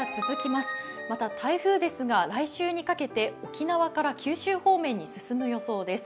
また、台風ですが来週にかけて沖縄から九州方面に進む予想です。